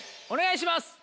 お願いします！